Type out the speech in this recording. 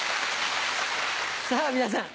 さぁ皆さん